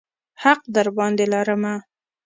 حق درباندې لرمه.